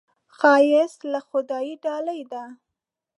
ښایست له خدایه ډالۍ ده